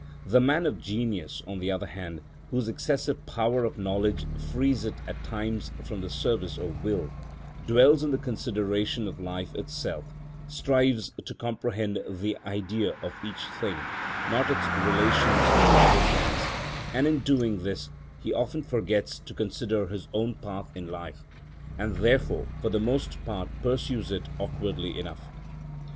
The man of genius, on the other hand, whose excessive power of knowledge frees it at times from the service of will, dwells on the consideration of life itself, strives to comprehend the Idea of each thing, not its relations to other things; and in doing this he often forgets to consider his own path in life, and therefore for the most part pursues it awkwardly enough.